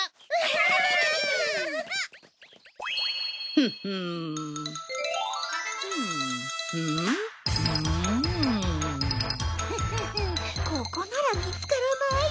フフフここなら見つからない。